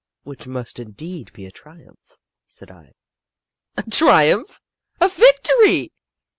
"Which must indeed be a triumph," said I. "A triumph? a victory!"